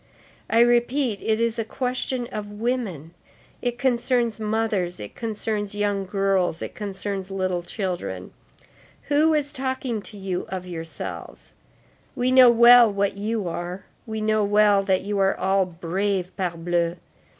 I repeat, it is a question of women, it concerns mothers, it concerns young girls, it concerns little children. Who is talking to you of yourselves? We know well what you are; we know well that you are all brave, parbleu!